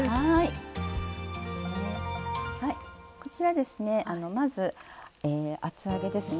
こちらですねまず厚揚げですね。